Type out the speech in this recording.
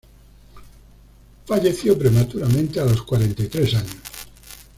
Falleció prematuramente a los cuarenta y tres años.